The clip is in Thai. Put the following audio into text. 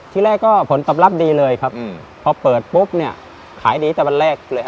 ที่แรกก็ผลตอบรับดีเลยครับพอเปิดปุ๊บเนี่ยขายดีตั้งแต่วันแรกเลย